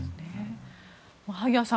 萩谷さん